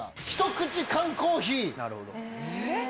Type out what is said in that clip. ひと口缶コーヒー。